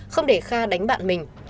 không để kha đánh bạn mình